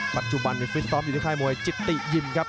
ปัจจุบันฟิตซ้อมอยู่ที่ค่ายมวยจิตติยิมครับ